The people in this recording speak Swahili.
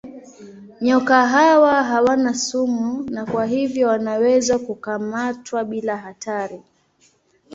Nyoka hawa hawana sumu na kwa hivyo wanaweza kukamatwa bila hatari.